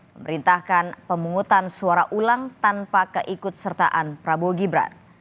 memerintahkan pemungutan suara ulang tanpa keikut sertaan prabowo gibran